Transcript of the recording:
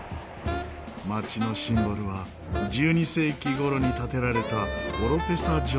街のシンボルは１２世紀頃に建てられたオロペサ城です。